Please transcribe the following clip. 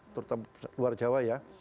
terutama luar jawa ya